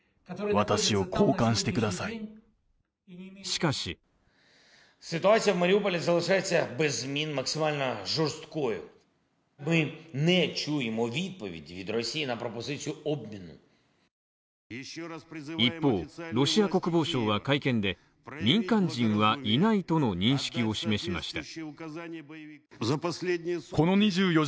しかし一方、ロシア国防省は会見で民間人はいないとの認識を示しました。